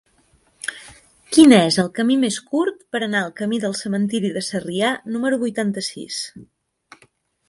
Quin és el camí més curt per anar al camí del Cementiri de Sarrià número vuitanta-sis?